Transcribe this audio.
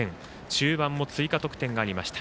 中盤も追加得点がありました。